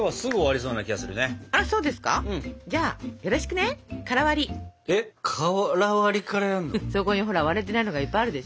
そこにほら割れてないのがいっぱいあるでしょ？